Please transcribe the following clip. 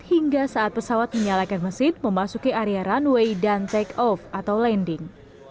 hingga saat pesawat menyalakan mesin memasuki area runway dan take off atau landing